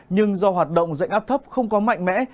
nhưng do hoạt động dạnh áp thấp không có mạnh mẽ